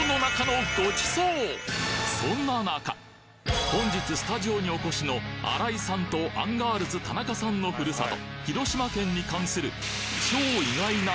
まさに本日スタジオにお越しの新井さんとアンガールズ田中さんのふるさと